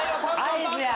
合図や。